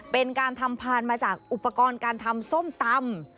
เป็นการทำพานมาจากอุปกรณ์การทำส้มตำ